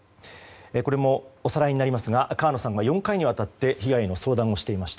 これも、おさらいになりますが川野さんは４回にわたって被害の相談をしていました。